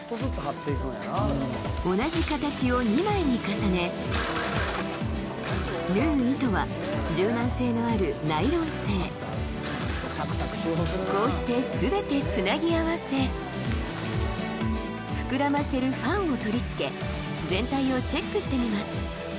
同じ形を２枚に重ね縫う糸は柔軟性のあるナイロン製こうしてすべてつなぎ合わせ膨らませるファンを取り付け全体をチェックしてみます